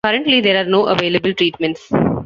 Currently there are no available treatments.